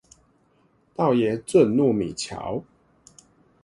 道爺圳糯米橋